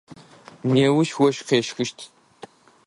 Неущ ощх къещхыщт.